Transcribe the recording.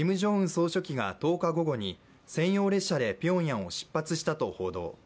総書記が１０日午後に専用列車でピョンヤンを出発したと報道。